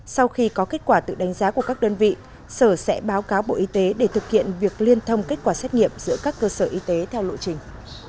sau khi có kết quả tự đánh giá của các đơn vị sở sẽ báo cáo bộ y tế để thực hiện việc liên thông kết quả xét nghiệm giữa các cơ sở y tế theo lộ trình